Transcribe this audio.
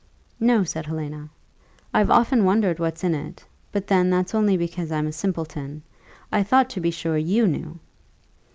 "No," said Helena. "I've often wondered what's in it: but then that's only because I'm a simpleton. I thought to be sure, you knew."